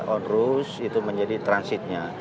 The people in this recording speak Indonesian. onrus itu menjadi transitnya